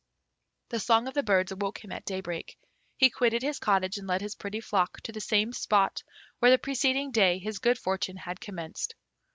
The song of the birds awoke him at daybreak. He quitted his cottage and led his pretty flock to the same spot where the preceding day his good fortune had commenced.